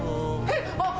えっ！